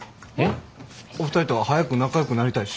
お二人とは早く仲良くなりたいし。